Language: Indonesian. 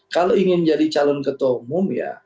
kalau ingin jadi calon ketua umum ya